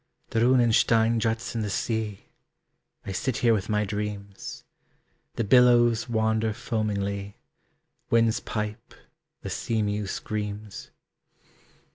The Runenstein juts in the sea, I sit here with my dreams, The billows wander foamingly; Winds pipe, the sea mew screams.